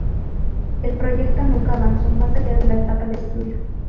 El proyecto nunca avanzó más allá de la etapa de estudio.